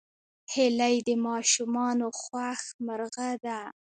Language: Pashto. هیلۍ د ماشومانو خوښ مرغه ده